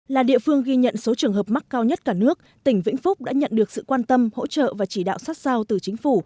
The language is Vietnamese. là địa phương ghi nhận số trường hợp mắc cao nhất cả nước tỉnh vĩnh phúc đã nhận được sự quan tâm hỗ trợ và chỉ đạo sát sao từ chính phủ